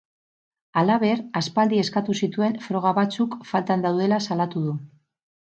Halaber, aspaldi eskatu zituen froga batzuk faltan daudela salatu du.